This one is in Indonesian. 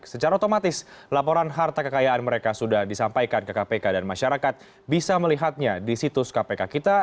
secara otomatis laporan harta kekayaan mereka sudah disampaikan ke kpk dan masyarakat bisa melihatnya di situs kpk kita